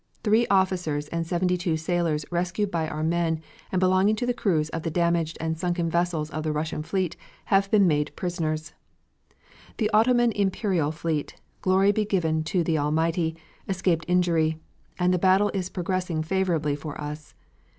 Three officers and seventy two sailors rescued by our men and belonging to the crews of the damaged and sunken vessels of the Russian fleet have been made prisoners. The Ottoman Imperial fleet, glory be given to the Almighty, escaped injury, and the battle is progressing favorably for us.